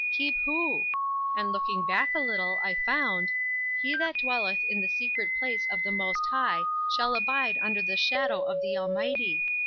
Keep who ? And looking back a little I found, 'He that dwelleth in the secret place of the Most High shall abide under the shadow of the Almighty.